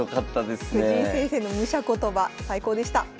藤井先生の武者言葉最高でした。